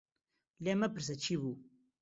لێم مەپرسە چی بوو.